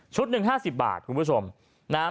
ชุด๑๕๐บาทคุณผู้ชม